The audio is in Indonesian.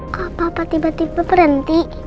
kok papa tiba tiba berhenti